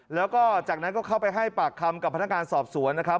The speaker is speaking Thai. แล้วก็จากนั้นก็เข้าไปให้ปากคำกับพนักงานสอบสวนนะครับ